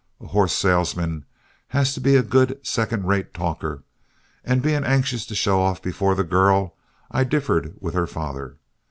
A horse salesman has to be a good second rate talker, and being anxious to show off before the girl, I differed with her father.